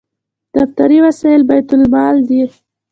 دفتري وسایل بیت المال دي